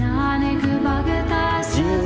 nah yang ini namanya titanic